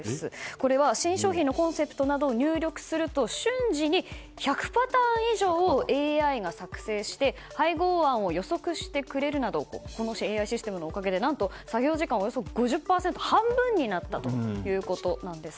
これは新商品のコンセプトを入力すると瞬時に１００パターン以上ＡＩが作成して配合案を予測してくれるなどこのＡＩシステムのおかげで何と作業時間が５０％、半分になったということなんです。